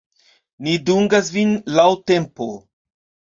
Ni dungas vin laŭ tempo.